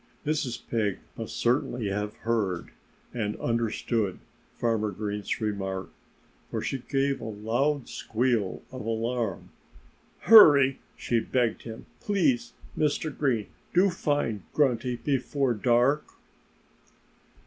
Mrs. Pig must certainly have heard and understood Farmer Green's remark. For she gave a loud squeal of alarm. "Hurry!" she begged him. "Please, Mr. Green, do find Grunty before dark!"